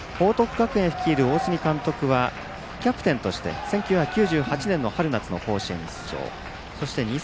学園率いる大角監督はキャプテンとして１９９８年の春夏甲子園に出場。